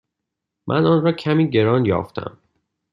من آن را کمی گران یافتم.